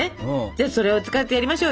じゃあそれを使ってやりましょうよ。